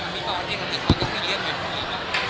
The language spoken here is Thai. พี่ตอได้ทราบตั้งแต่แรกอยู่แล้วค่ะ